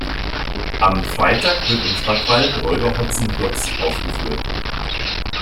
Am Freitag wird im Stadtwald Räuber Hotzenplotz aufgeführt.